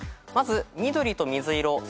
まず緑と水色。